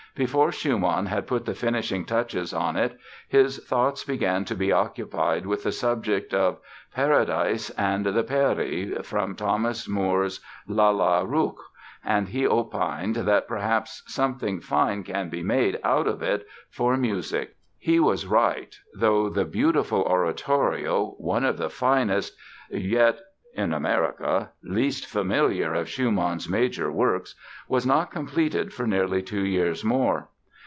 Before Schumann had put the finishing touches on it his thoughts began to be occupied with the subject of "Paradise and the Peri", from Thomas Moore's "Lalla Rookh", and he opined that "perhaps something fine can be made out of it for music". He was right, though the beautiful oratorio—one of the finest yet (in America) least familiar of Schumann's major works—was not completed for nearly two years more.